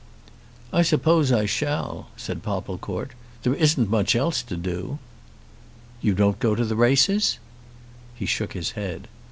"I suppose I shall," said Popplecourt. "There isn't much else to do." "You don't go to races?" He shook his head.